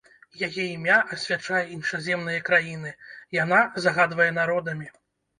Яе імя асвячае іншаземныя краіны, яна загадвае народамі.